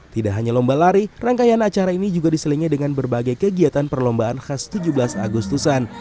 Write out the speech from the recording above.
tidak hanya lomba lari rangkaian acara ini juga diselingi dengan berbagai kegiatan perlombaan khas tujuh belas agustusan